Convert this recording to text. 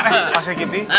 eh pasnya gitu